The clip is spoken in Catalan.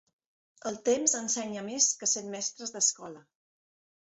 El temps ensenya més que cent mestres d'escola.